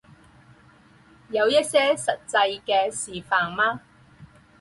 有一些实际的示范吗